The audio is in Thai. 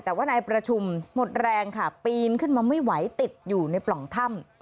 แต่ว่านายประชุมหมดแรงค่ะปีนขึ้นมาไม่ไหวติดอยู่ในปล่องถ้ำ